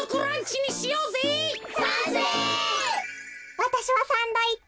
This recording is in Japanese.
わたしはサンドイッチ。